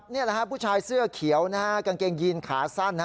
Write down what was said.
นี่แหละผู้ชายเสื้อเขียวกางเกงยีนขาสั้น